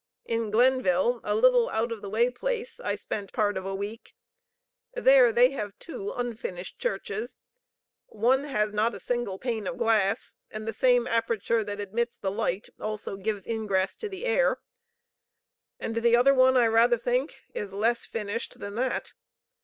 In Glenville, a little out of the way place, I spent part of a week. There they have two unfinished churches. One has not a single pane of glass, and the same aperture that admits the light also gives ingress to the air; and the other one, I rather think, is less finished than that.